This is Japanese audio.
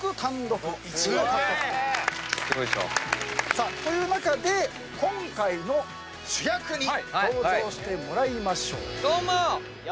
さあという中で今回の主役に登場してもらいましょう。